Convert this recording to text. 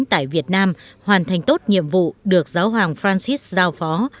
tại việt nam hoàn thành tốt nhiệm vụ được giáo hoàng francis giao phó